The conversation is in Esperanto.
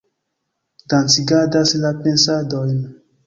dancigadas la pensadojn